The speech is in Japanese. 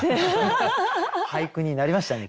俳句になりましたね